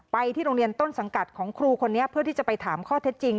ที่โรงเรียนต้นสังกัดของครูคนนี้เพื่อที่จะไปถามข้อเท็จจริง